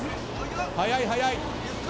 速い速い。